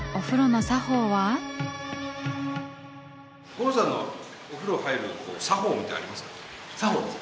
五郎さんのお風呂入る作法みたいなのありますか？